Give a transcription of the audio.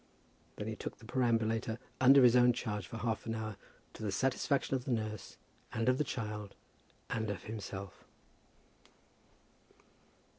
Then he took the perambulator under his own charge for half an hour, to the satisfaction of the nurse, of the child, and of himself.